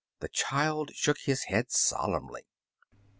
The child shook his head solemnly.